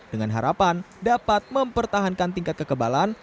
dengan harapan dapat mempertahankan tingkat kekebalan